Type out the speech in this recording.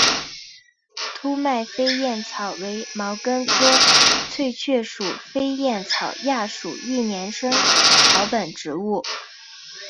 凸脉飞燕草为毛茛科翠雀属飞燕草亚属一年生草本植物。